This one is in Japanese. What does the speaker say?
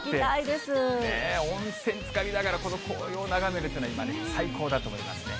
温泉つかりながらこの紅葉眺めるというのは、今ね、最高だと思いますね。